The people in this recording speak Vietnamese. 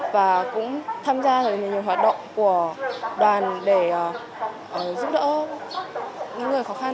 và cũng tham gia rất là nhiều hoạt động của đoàn để giúp đỡ những người khó khăn